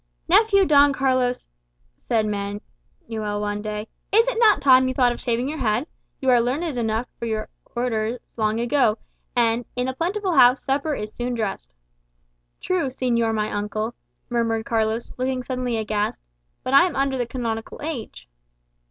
"Nephew Don Carlos," said Don Manuel one day, "is it not time you thought of shaving your head? You are learned enough for your Orders long ago, and 'in a plentiful house supper is soon dressed.'" "True, señor my uncle," murmured Carlos, looking suddenly aghast. "But I am under the canonical age."